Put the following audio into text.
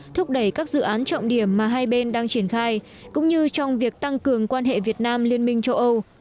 thúc đẩy các dự án trọng điểm mà hai bên đang triển khai cũng như trong việc tăng cường quan hệ việt nam liên minh châu âu